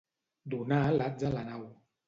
Donar lats a la nau.